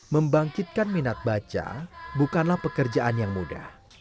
membangkitkan minat baca bukanlah pekerjaan yang mudah